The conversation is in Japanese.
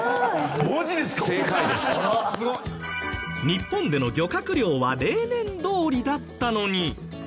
日本での漁獲量は例年どおりだったのに。